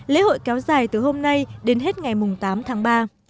lễ hội kéo dài từ hôm nay đến hết ngày tám tháng ba